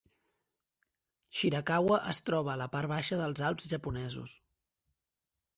Shirakawa es troba a la part baixa dels Alps japonesos.